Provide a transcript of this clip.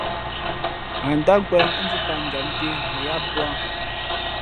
Ghen ndát nkwēn ά dǐʼ pǎtjam nté mα ǎ púá.